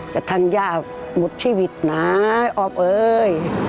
แต่ทางย่าหมดชีวิตนะออฟเอ้ย